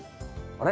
あれ？